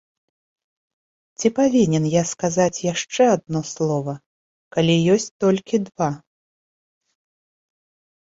Ці павінен я сказаць яшчэ адно слова, калі ёсць толькі два?